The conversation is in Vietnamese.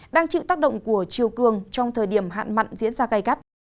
đang chịu tác động của chiều cường trong thời điểm hạn mặn diễn ra gai gắt